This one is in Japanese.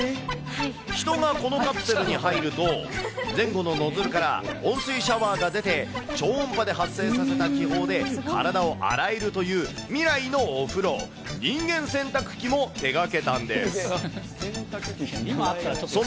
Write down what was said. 人がこのカプセルに入ると、前後のノズルから温水シャワーが出て、超音波で発生させた気泡で体を洗えるという未来のお風呂、人間洗濯機も手がけたんです。